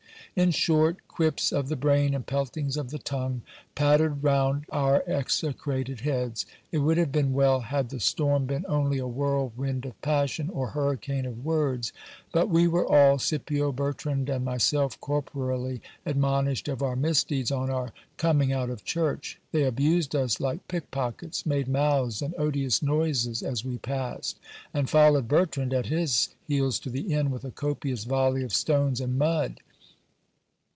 In short, quips of the brain and peltings of the tongue pattered round our execrated heads. It would have been well had the storm be* n only a whirlwind of passion, or hurricane of words ; but we were all, Scipio, Bertrand, and myself, corporally admonished of our misdeeds, on our coifing out of church ; they abused us like pickpockets, made mouths and odious noises as we passed, and followed Bertrand at his heels to the inn with a 342 GIL BLAS. copious volley of stones and mud.